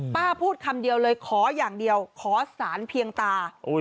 พูดคำเดียวเลยขออย่างเดียวขอสารเพียงตา